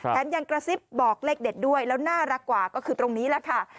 แถมยังกระซิบบอกเลขเด็ดด้วยแล้วน่ารักกว่าก็คือตรงนี้แหละค่ะ